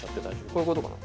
こういうことかな？